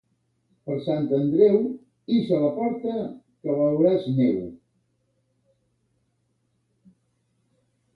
Per Sant Andreu, ix a la porta que veuràs neu.